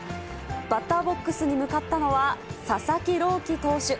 バッターボックスに向かったのは、佐々木朗希投手。